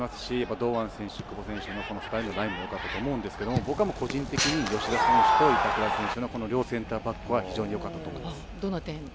堂安選手と久保選手の２人のラインも良かったと思うんですけど僕は個人的に吉田選手と板倉選手の両センターバックは非常に良かったと思います。